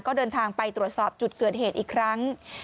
ก็เดินทางไปตรวจสอบจุดเกิดเหตุอีกครั้ง